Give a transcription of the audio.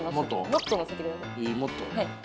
もっと載せてください。